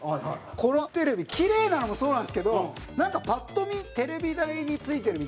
このテレビ、キレイなのもそうなんですけどなんか、パッと見テレビ台についてるみたいな。